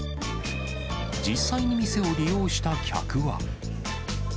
実際に店を利用した客は。